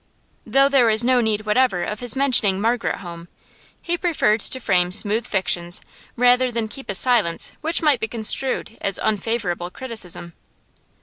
Though there was no need whatever of his mentioning 'Margaret Home,' he preferred to frame smooth fictions rather than keep a silence which might be construed as unfavourable criticism.